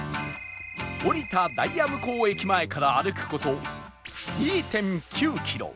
降りた大谷向駅前から歩く事 ２．９ キロ